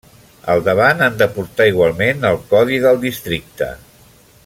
Al davant han de portar igualment el codi del districte.